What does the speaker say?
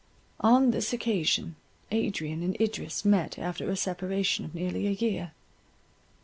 On this occasion Adrian and Idris met after a separation of nearly a year.